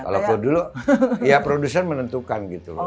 kalau dulu ya produsen menentukan gitu